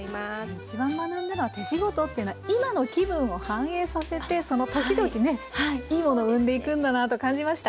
一番学んだのは手仕事というのは今の気分を反映させてその時々ねいいものを生んでいくんだなあと感じました。